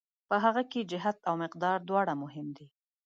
په هغه کې جهت او مقدار دواړه مهم دي.